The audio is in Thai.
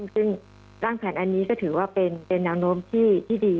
ซึ่งร่างแผนอันนี้ก็ถือว่าเป็นแนวโน้มที่ดี